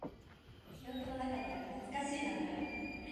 記憶の中にある懐かしい名前。